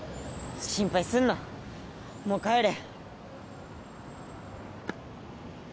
心配すんなもう帰れ